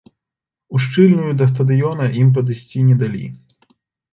Ушчыльную да стадыёна ім падысці не далі.